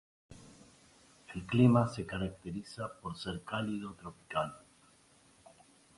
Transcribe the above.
El clima se caracteriza por ser cálido tropical.